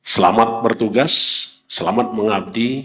selamat bertugas selamat mengabdi